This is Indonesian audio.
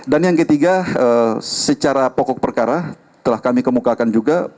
yang ketiga secara pokok perkara telah kami kemukakan juga